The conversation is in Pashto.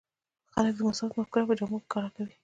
خلک د مساوات مفکوره په جامو کې ښکاره کوي.